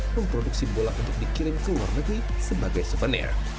memproduksi bola untuk dikirim ke luar negeri sebagai souvenir